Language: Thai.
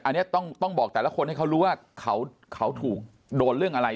อันนี้ต้องบอกแต่ละคนให้เขารู้ว่าเขาถูกโดนเรื่องอะไร